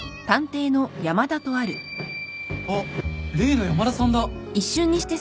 あっ例の山田さんだ。